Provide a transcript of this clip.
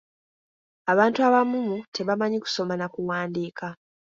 Abantu abamu tebamanyi kusoma na kuwandiika.